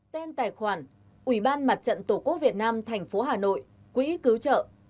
tên tài khoản ủy ban mặt trận tổ quốc việt nam tp hà nội quỹ cứu trợ